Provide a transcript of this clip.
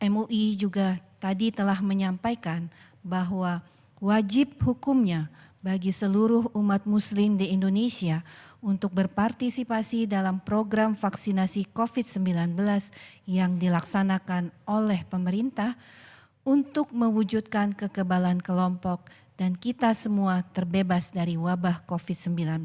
mui juga tadi telah menyampaikan bahwa wajib hukumnya bagi seluruh umat muslim di indonesia untuk berpartisipasi dalam program vaksinasi covid sembilan belas yang dilaksanakan oleh pemerintah untuk mewujudkan kekebalan kelompok dan kita semua terbebas dari wabah covid sembilan belas